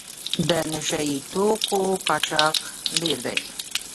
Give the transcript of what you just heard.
د نشه یي توکو قاچاق ډېر دی.